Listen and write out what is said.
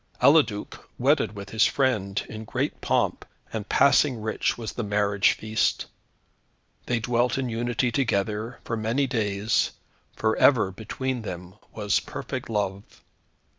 Eliduc wedded with his friend, in great pomp, and passing rich was the marriage feast. They dwelt in unity together for many days, for ever between them was perfect love.